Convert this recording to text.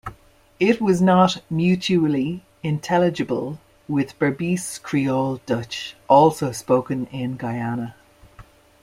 It was not mutually intelligible with Berbice Creole Dutch, also spoken in Guyana.